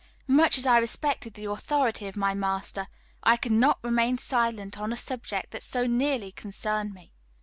Much as I respected the authority of my master, I could not remain silent on a subject that so nearly concerned me.